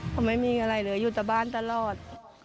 เขาไม่มีอะไรเลยอยู่แต่บ้านตลอด